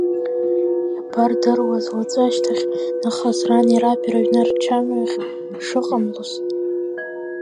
Иабардыруаз, уаҵәашьҭахь нахыс рани раби рыҩны рчамҩахә шыҟамлоз!